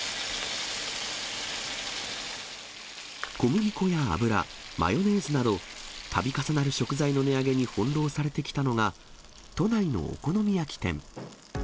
小麦粉や油、マヨネーズなど、度重なる食材の値上げに翻弄されてきたのが、都内のお好み焼き店。